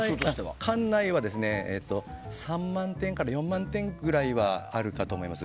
館内は、３万点から４万点くらいはあるかと思います。